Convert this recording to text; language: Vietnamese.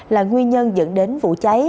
là nguyên nhân dẫn đến vụ cháy